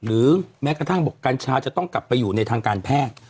หรือแม้กระทั่งบอกกัญชาจะต้องกลับไปอยู่ในทางการแพทย์